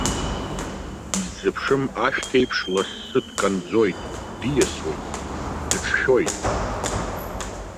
Иззыԥшым ашәҭ еиԥш лассы дканӡоит, диасуеит, дыҿшәоит.